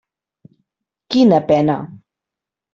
Quina pena.